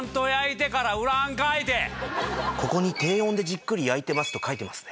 ここに「低温でじっくり焼いてます」と書いてますね。